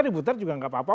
diputer juga nggak apa apa